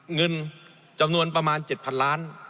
เงินจำนวนประมาณ๗๐๐ล้าน